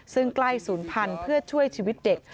ซึ่งใกล้ศูนย์พันธุ์เพื่อช่วยชีวิตเด็ก